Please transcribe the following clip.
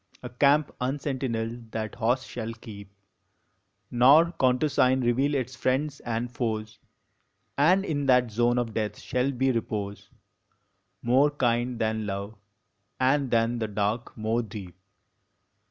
A camp unsentineled that host shall keep, Nor countersign reveal its friends and foes; And in that zone of death shall be repose More kind than love, and than the dark more deep.